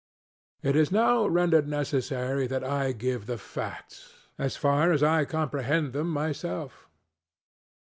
It is now rendered necessary that I give the factsŌĆöas far as I comprehend them myself.